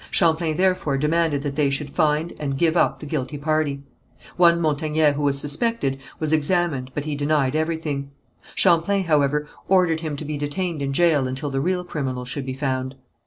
Champlain therefore demanded that they should find and give up the guilty party. One Montagnais who was suspected, was examined, but he denied everything. Champlain, however, ordered him to be detained in jail until the real criminal should be found.